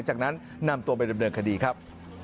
จากนั้นนำตัวไปเริ่มเริ่มคดีครับ